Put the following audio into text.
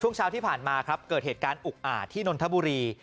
ช่วงเช้าที่ผ่านมาครับเกิดเหตุการณ์อุกอาจที่นนทบุรี